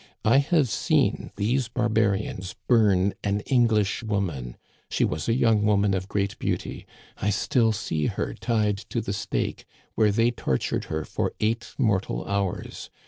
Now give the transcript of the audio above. I have seen these barbarians burn an English woman. She was a young woman of great beauty. I still see her tied to the stake, where they tortured her for eight mor tal hours.